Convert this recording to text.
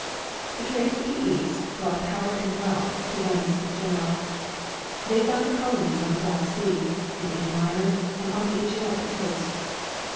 The trade with the east brought power and wealth to Venice and Genoa. They founded colonies on the Black sea, in Asia Minor, and on the Asiatic coast.